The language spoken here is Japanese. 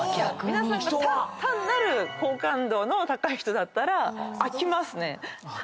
皆さんが単なる好感度の高い人だったら飽きますね。